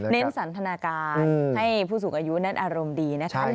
สันทนาการให้ผู้สูงอายุนั้นอารมณ์ดีนะคะ